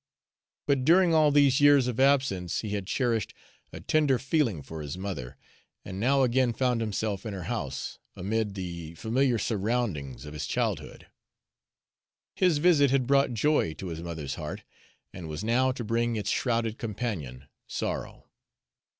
But during all these years of absence he had cherished a tender feeling for his mother, and now again found himself in her house, amid the familiar surroundings of his childhood. His visit had brought joy to his mother's heart, and was now to bring its shrouded companion, sorrow.